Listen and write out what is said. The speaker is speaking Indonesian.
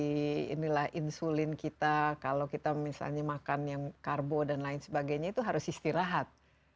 jadi inilah insulin kita kalau kita misalnya makan yang karbo dan lain sebagainya itu harus istirahat